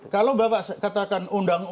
kalau bapak katakan